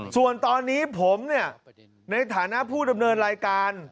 ส่วนตอนนี้ผมเนี่ยในฐานะผู้ดำเนินรายการ